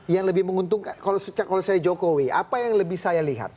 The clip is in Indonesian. yang lebih menguntungkan kalau saya jokowi apa yang lebih saya lihat